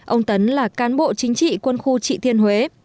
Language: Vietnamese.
ông tấn là cán bộ chính trị quân khu trị thiên huế